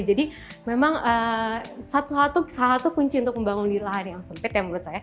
jadi memang salah satu kunci untuk membangun lahan yang sempit ya menurut saya